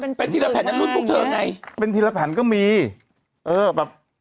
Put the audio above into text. เป็นเป็นทีละแผ่นนั้นรุ่นพวกเธอไงเป็นทีละแผ่นก็มีเออแบบ